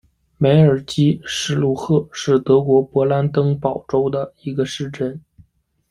梅尔基施卢赫是德国勃兰登堡州的一个市镇。